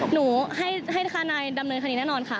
หนูให้ทนายดำเนินคดีแน่นอนค่ะ